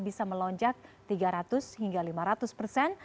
bisa melonjak tiga ratus hingga lima ratus persen